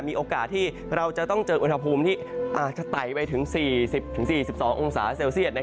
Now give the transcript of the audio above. มีโอกาสที่เราจะต้องเจออุณหภูมิที่อาจจะไต่ไปถึง๔๐๔๒องศาเซลเซียต